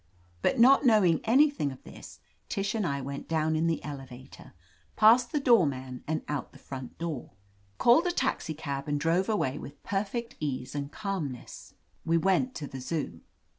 But not knowing anything of this, Tish and I went down in the elevator, past the door man and out the front door, called a taxicab and drove away with perfect ease and "•^ calmness. We went to the Zoo.